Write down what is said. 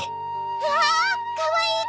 わあかわいい靴下！